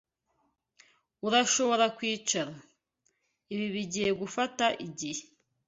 Urashobora kwicara. Ibi bigiye gufata igihe.